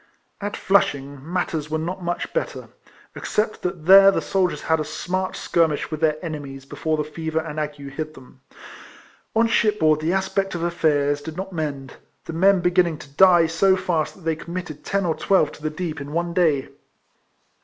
At Flushing matters were not much better, except that there the soldiers had a smart skirmish with their enemies before the fever and ague attacked them. On shipboard the aspect of affairs did not mend; the men beginning to die so fast that they committed ten or twelve to the deep in one day.